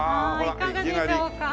いかがでしょうか？